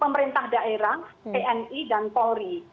pemerintah daerah tni dan polri